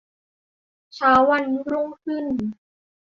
เช้าวันรุ่งขึ้น